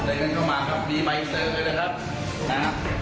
ใส่มันเข้ามาครับมีไบเซอร์ด้วยนะครับนะฮะ